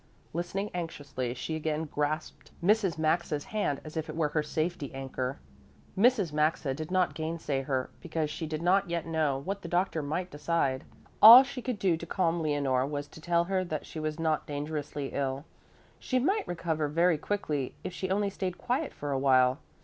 Listening anxiously, she again grasped Mrs. Maxa's hand as if it were her safety anchor. Mrs. Maxa did not gainsay her, because she did not yet know what the doctor might decide. All she could do to calm Leonore was to tell her that she was not dangerously ill. She might recover very quickly if she only stayed quiet for a while.